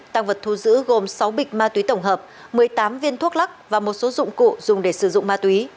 tăng vật thu giữ gồm sáu bịch ma túy tổng hợp một mươi tám viên thuốc lắc và một số dụng cụ dùng để sử dụng ma túy